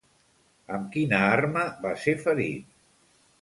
Amb quina arma va ser ferit?